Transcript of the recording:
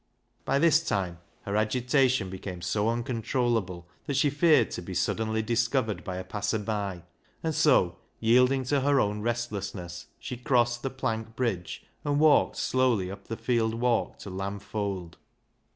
By this time her agitation became so uncon trollable that she feared to be suddenly dis covered by a passer by, and so, yielding to her own restlessness, she crossed the plank bridge, and v, alked slowly up the field walk to Lamb Fold.